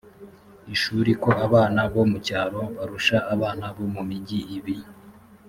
ishuri ko abana bo mu cyaro barusha abana bo mu mugi ibi